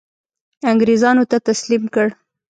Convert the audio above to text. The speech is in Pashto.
انګرېزانو ته تسلیم کړ.